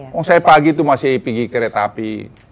kalau saya pagi itu masih pergi keret api